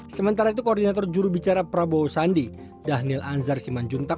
sementara itu koordinator jurubicara prabowo sandi dhanil anzar simanjuntak